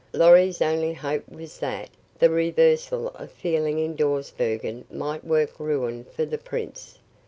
Lorry's only hope was that the reversal of feeling in Dawsbergen might work ruin for the prince.